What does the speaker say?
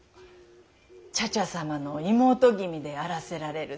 茶々様の妹君であらせられるそうで。